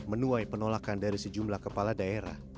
menuai penolakan dari sejumlah kepala daerah